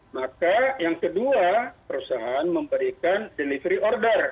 maka yang kedua perusahaan memberikan delivery order